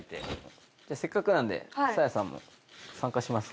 じゃあせっかくなんでサーヤさんも参加します？